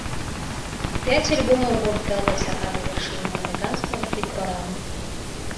Пяць альбомаў гурта дасягалі вяршыні амерыканскага хіт-параду.